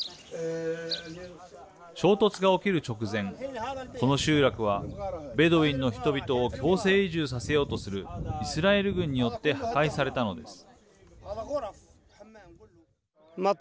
衝突が起きる直前この集落はベドウィンの人々を強制移住させようとするイスラエル軍によって破壊されたのです。